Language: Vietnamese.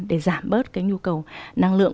để giảm bớt cái nhu cầu năng lượng